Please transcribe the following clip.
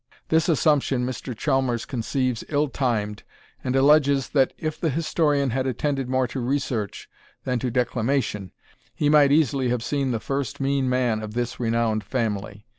This assumption Mr. Chalmers conceives ill timed, and alleges, that if the historian had attended more to research than to declamation, he might easily have seen the first mean man of this renowned family.